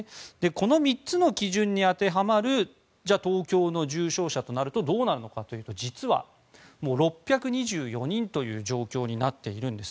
この３つの基準に当てはまる東京の重症者となるとどうなるのかというと実は６２４人という状況になっているんです。